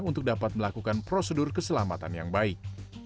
untuk dapat melakukan prosedur keselamatan yang baik